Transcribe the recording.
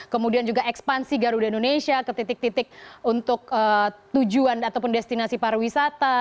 kemudian juga ekspansi garuda indonesia ke titik titik untuk tujuan ataupun destinasi pariwisata